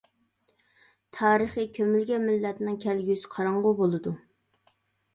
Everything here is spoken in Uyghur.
تارىخى كۆمۈلگەن مىللەتنىڭ كەلگۈسى قاراڭغۇ بولىدۇ.